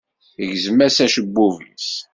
Gzem-as acebbub-is.